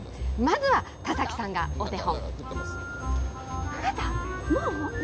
まずは田崎さんがお手本。